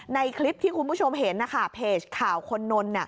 ในคลิปที่คุณผู้ชมเห็นนะคะเพจข่าวคนนน